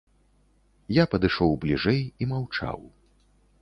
Я падышоў бліжэй і маўчаў.